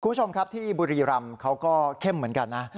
คุณผู้ชมครับที่บุรีรำเขาก็เข้มเหมือนกันนะ